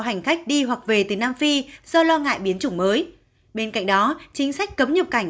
hành khách đi hoặc về từ nam phi do lo ngại biến chủng mới bên cạnh đó chính sách cấm nhập cảnh